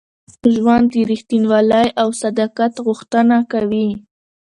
ژوند د رښتینولۍ او صداقت غوښتنه کوي.